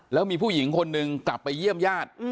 แล้วมีผู้หญิงคนหนึ่งกลับไปเยี่ยมญาติ